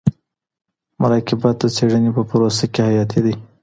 مراقبت د څيړني په پروسه کي حیاتي دی.